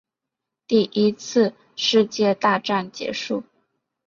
第一次世界大战结束